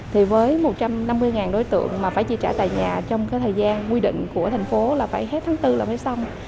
thì với một trăm năm mươi đối tượng mà phải chi trả tại nhà trong cái thời gian quy định của thành phố là phải hết tháng bốn là mới xong